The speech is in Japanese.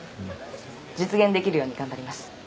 実現できるように頑張ります。